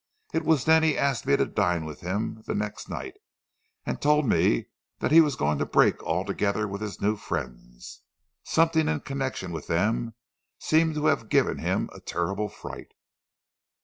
It was then he asked me to dine with him the next night, and told me that he was going to break altogether with his new friends. Something in connection with them seemed to have given him a terrible fright."